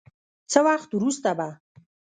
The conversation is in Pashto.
څه وخت وروسته به